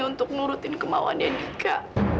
untuk nurutin kemauannya dika